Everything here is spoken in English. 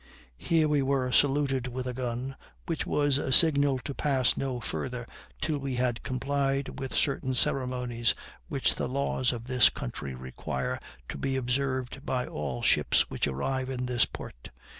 Here we were saluted with a gun, which was a signal to pass no farther till we had complied with certain ceremonies which the laws of this country require to be observed by all ships which arrive in this port.